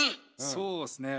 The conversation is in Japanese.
そうですねえ。